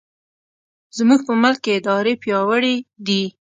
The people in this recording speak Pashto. زموږ په ملک کې ادارې پیاوړې دي.